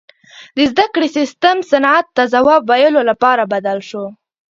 • د زدهکړې سیستم صنعت ته ځواب ویلو لپاره بدل شو.